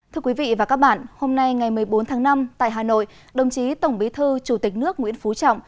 thưa quý vị và các bạn hôm nay ngày một mươi bốn tháng năm tại hà nội đồng chí tổng bí thư chủ tịch nước nguyễn phú trọng